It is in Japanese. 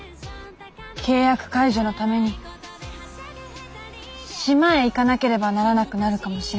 契約解除のために島へ行かなければならなくなるかもしれません。